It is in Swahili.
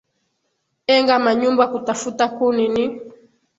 enga manyumba kutafuta kuni ni